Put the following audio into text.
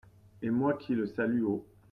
Et moi qui le salue haut.